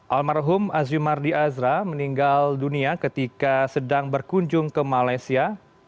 almarhum azimardi azra meninggal dunia ketika sedang berkunjung ke malaysia